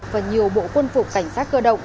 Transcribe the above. và nhiều bộ quân phục cảnh sát cơ động